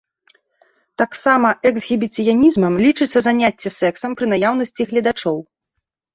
Таксама эксгібіцыянізмам лічыцца заняцце сексам пры наяўнасці гледачоў.